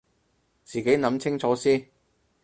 自己諗清楚先